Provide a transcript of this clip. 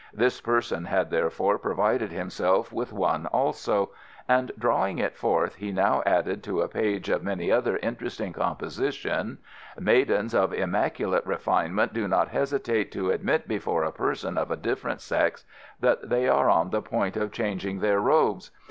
This person had therefore provided himself with one also, and, drawing it forth, he now added to a page of many other interesting compositions: "Maidens of immaculate refinement do not hesitate to admit before a person of a different sex that they are on the point of changing their robes.